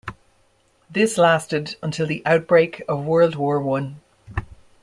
This lasted until the outbreak of World War One.